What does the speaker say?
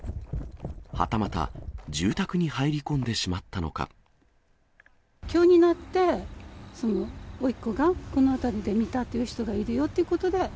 はたまた、住宅に入り込んでしまきょうになって、おいっ子が、この辺りで見たという人がいるということで。